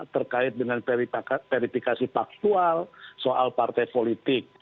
terkait dengan verifikasi faktual soal partai politik